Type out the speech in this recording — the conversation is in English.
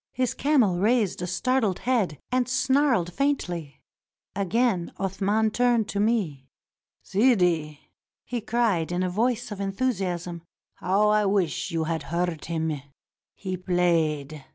His camel raised a startled head and snarled faintly. Again Athman turned to me. " Sidi," he cried in a voice of enthusiasm, "how I wish you had heard him. He played!